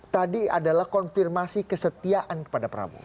tadi adalah konfirmasi kesetiaan kepada prabowo